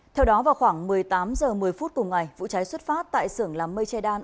theo đó vào khoảng một mươi tám h một mươi phút cùng ngày vụ cháy xuất phát tại sưởng làm mây che đan